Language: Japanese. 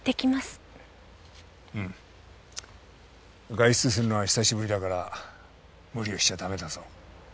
外出するのは久しぶりだから無理をしちゃダメだぞ。